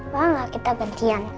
bapak gak kita gantian